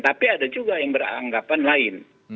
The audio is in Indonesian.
tapi ada juga yang beranggapan lain